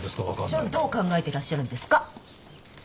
じゃあどう考えてらっしゃるんですか？